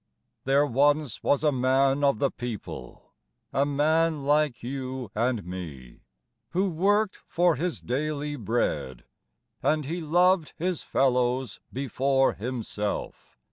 There once was a man of the people, A man like you and me, Who worked for his daily bread, And he loved his fellows before himself.